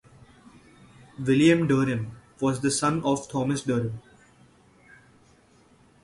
William Derham was the son of Thomas Derham.